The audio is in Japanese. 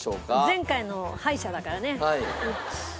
前回の敗者だからね。